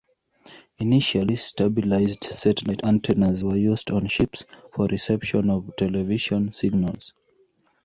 Initially, stabilized satellite antennas were used on ships for reception of television signals.